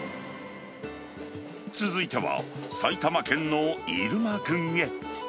続いては、埼玉県の入間郡へ。